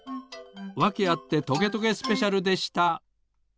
「わけあってトゲトゲスペシャル」でした。